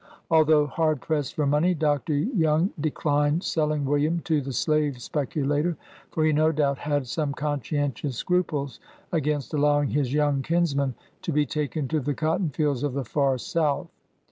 Although hard pressed for money, Dr. Young declined selling William to the slave speculator, for he no doubt had some conscientious scruples against allowing his young kinsman to be taken to the cotton fields of the far South.